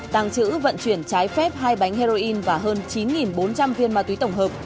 tàng trữ vận chuyển trái phép hai bánh heroin và hơn chín bốn trăm linh viên ma túy tổng hợp